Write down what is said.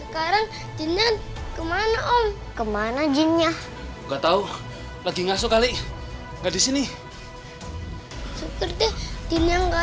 kemana jinnya enggak tahu lagi ngasuk kali nggak di sini